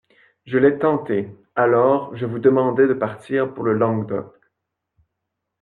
Je l'ai tenté ; alors, je vous demandai de partir pour le Languedoc.